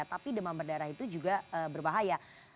tapi demam berdarah itu juga berbahaya